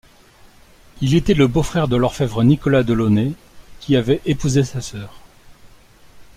Il était le beau-frère de l'orfèvre Nicolas Delaunay, qui avait épousé sa sœur.